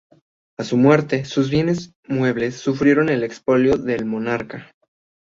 A su muerte sus bienes muebles sufrieron el expolio del monarca.